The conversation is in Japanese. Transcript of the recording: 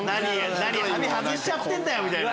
何ハメ外しちゃってんだよ！